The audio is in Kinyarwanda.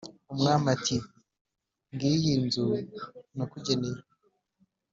umwami ati: "Ngiyi inzu nakugeneye